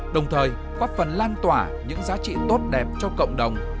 đồng thời góp phần lan tỏa những giá trị tốt đẹp cho cộng đồng